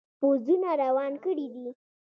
پوځونه روان کړي دي.